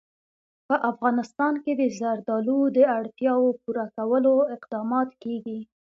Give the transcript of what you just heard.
په افغانستان کې د زردالو د اړتیاوو پوره کولو اقدامات کېږي.